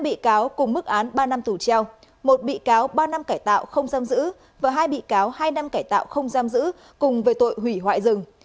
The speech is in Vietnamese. năm bị cáo cùng mức án ba năm tù treo một bị cáo ba năm cải tạo không giam giữ và hai bị cáo hai năm cải tạo không giam giữ cùng về tội hủy hoại rừng